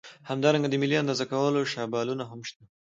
همدارنګه د ملي اندازه کولو شابلونونه هم شته.